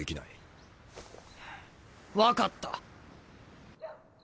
分かった。